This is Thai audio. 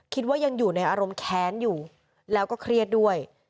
คิดว่ายังอยู่ในอารมณ์แค้นอยู่แล้วก็เครียดด้วย